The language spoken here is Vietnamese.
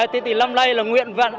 thế thì lâm nay là nguyện vận